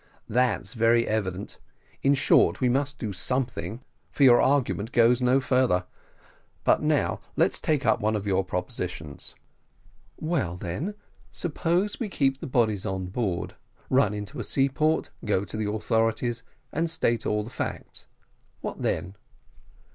"That's very evident; in short, we must do something, for your argument goes no further. But now let us take up one of your propositions." "Well then, suppose we keep the bodies on board, run into a seaport, go to the authorities, and state all the facts, what then?"